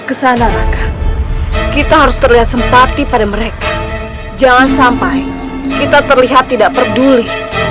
kesana raka kita harus terlihat sempati pada mereka jangan sampai kita terlihat tidak peduli